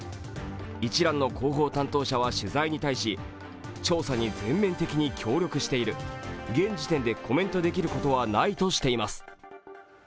一蘭の広報担当者は取材に対し、調査に全面的に協力している、現時点でコメントできることはないとしています。